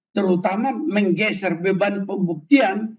terutama menggeser beban pembuktian